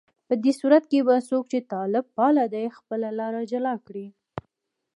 په دې صورت کې به څوک چې طالب پاله دي، خپله لاره جلا کړي